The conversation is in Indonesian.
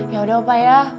yaudah opa ya